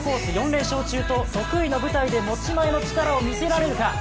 ４連勝中と得意の舞台で持ち前の力を見せられるか。